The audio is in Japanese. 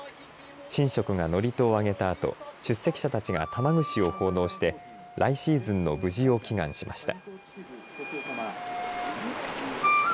神職が祝詞を上げたあと出席者たちが玉串を奉納して来シーズンの無事を祈願しました。